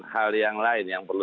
hal yang lain yang perlu